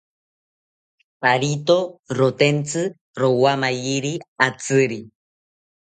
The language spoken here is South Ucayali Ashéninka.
Tarito rotentsi rowamayiri atziri